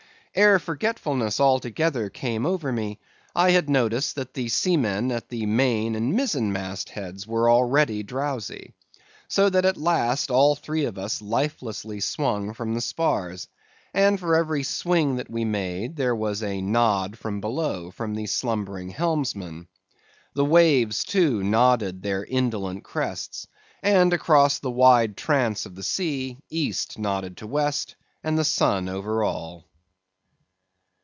Ere forgetfulness altogether came over me, I had noticed that the seamen at the main and mizzen mast heads were already drowsy. So that at last all three of us lifelessly swung from the spars, and for every swing that we made there was a nod from below from the slumbering helmsman. The waves, too, nodded their indolent crests; and across the wide trance of the sea, east nodded to west, and the sun over all.